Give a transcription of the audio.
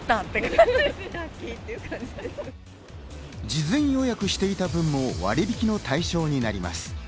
事前予約していた分も割引の対象になります。